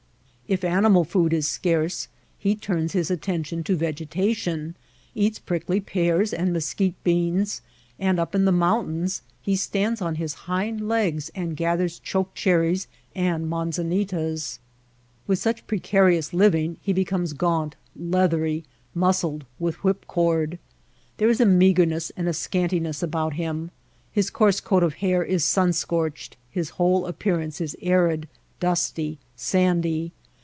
If animal food is scarce he turns his attention to vegetation, eats prickly pears and mesquite beans ; and up in the mountains he stands on his hind legs and gathers choke cherries and manzanitas. With such precarious living he be comes gaunt, leathery, muscled with whip cord. There is a meagreness and a scantiness about him ; his coarse coat of hair is sun scorched, his whole appearance is arid, dusty, sandy.